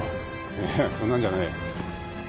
いやそんなんじゃないよ。